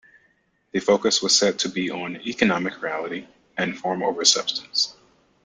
The focus was said to be on 'economic reality', and form over substance.